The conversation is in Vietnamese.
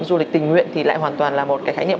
du lịch tình nguyện thì lại hoàn toàn là một cái khái niệm